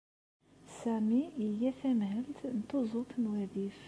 Sami iga tamhelt n tuẓut n wadif.